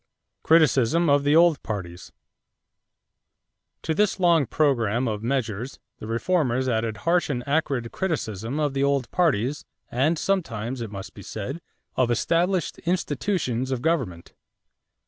=Criticism of the Old Parties.= To this long program of measures the reformers added harsh and acrid criticism of the old parties and sometimes, it must be said, of established institutions of government.